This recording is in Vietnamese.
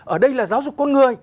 ở đây là giáo dục con người